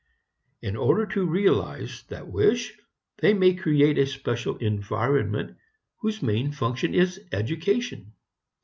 In order to realize that wish they may create a special environment whose main function is education.